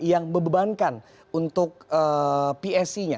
yang membebankan untuk psc nya